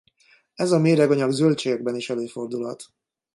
Ez a méreganyag zöldségekben is előfordulhat.